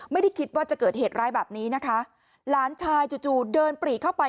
ไม่ได้คิดว่าจะเกิดเหตุร้ายแบบนี้นะคะหลานชายจู่จู่เดินปรีเข้าไป